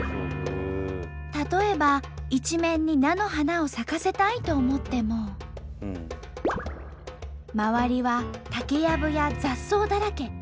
例えば一面に菜の花を咲かせたいと思っても周りは竹やぶや雑草だらけ。